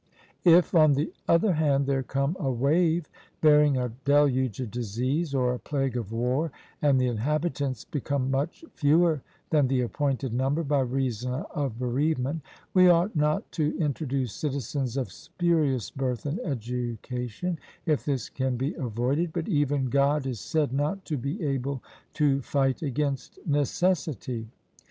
If, on the other hand, there come a wave bearing a deluge of disease, or a plague of war, and the inhabitants become much fewer than the appointed number by reason of bereavement, we ought not to introduce citizens of spurious birth and education, if this can be avoided; but even God is said not to be able to fight against necessity.